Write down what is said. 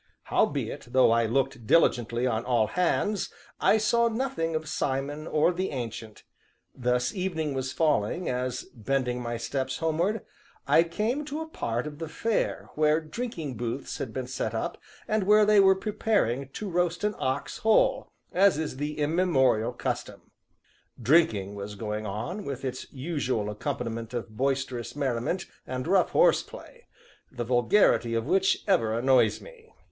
Howbeit, though I looked diligently on all hands, I saw nothing of Simon or the Ancient; thus evening was falling as, bending my steps homeward, I came to a part of the Fair where drinking booths had been set up, and where they were preparing to roast an ox whole, as is the immemorial custom. Drinking was going on, with its usual accompaniment of boisterous merriment and rough horseplay the vulgarity of which ever annoys me.